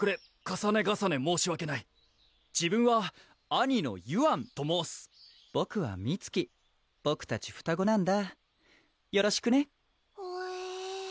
重ね重ね申し訳ない自分は兄のゆあんと申すボクはみつきボクたち双子なんだよろしくねほえ